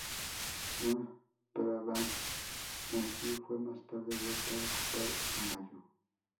Luang Prabang en sí fue más tarde vuelta a ocupar en mayo.